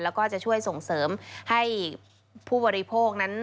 แล้วก็จะช่วยส่งเสริมให้ผู้บริโภคนั้น